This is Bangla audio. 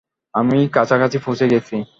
আমি কাছাকাছি পৌঁছে গেছি।